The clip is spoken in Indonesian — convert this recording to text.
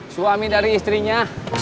suami dari istrinya